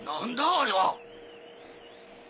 あれは。